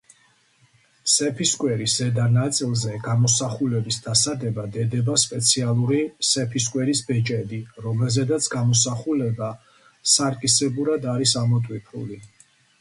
სეფისკვერის ზედა ნაწილზე გამოსახულების დასადებად ედება სპეციალური სეფისკვერის ბეჭედი, რომელზედაც გამოსახულება სარკისებურად არის ამოტვიფრული.